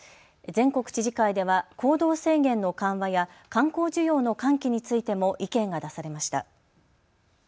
全国知事会では行動制限の緩和や観光需要の喚起についても意見が出されました。